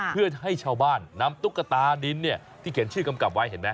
เพื่อให้ชาวบ้านนำตุ๊กตาดินที่เขียนชื่อกำกับไว้เห็นไหม